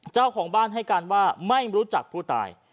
เจ้าของบ้านให้การว่าไม่รู้จักผู้ตาย